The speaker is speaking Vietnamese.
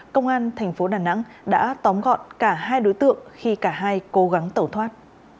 công an thành phố đà nẵng đã tóm gọn cả hai đối tượng khi cả hai cố gắng tẩu thoát